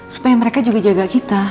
supaya mereka juga jaga kita